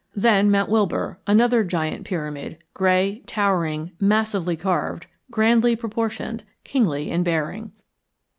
Then Mount Wilbur, another giant pyramid, gray, towering, massively carved, grandly proportioned, kingly in bearing!